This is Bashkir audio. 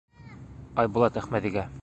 Айбулат Әхмәҙигә: